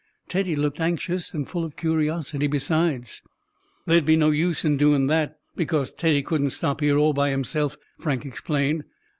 Teddy looked anxious, and full of curiosity besides. "There'd be no use in doing that, because Teddy couldn't stop here all by himself," Frank explained.